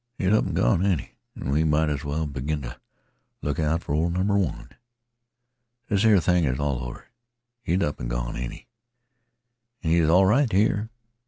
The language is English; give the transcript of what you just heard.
"He 's up an' gone, ain't 'e, an' we might as well begin t' look out fer ol' number one. This here thing is all over. He 's up an' gone, ain't 'e? An' he 's all right here.